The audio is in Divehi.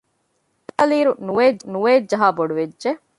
ގަޑި ބަލައިލިއިރު ނުވައެއް ޖަހާ ބޮޑުވެއްޖެ